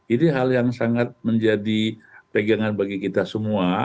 ini hal yang sangat menjadi pegangan bagi kita semua